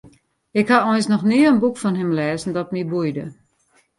Ik ha eins noch nea in boek fan him lêzen dat my boeide.